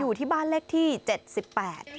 อยู่ที่บ้านเลขที่เจ็ดสิบแปด